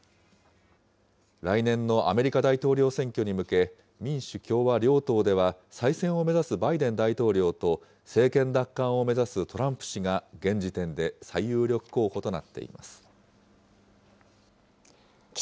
来年のアメリカ大統領選挙に向け、民主、共和両党では再選を目指すバイデン大統領と、政権奪還を目指すトランプ氏が、現時点で最有力候補となっています。